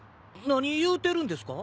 何言うてるんですか？